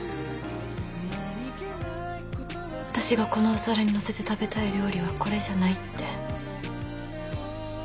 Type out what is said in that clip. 私がこのお皿に載せて食べたい料理はこれじゃないって。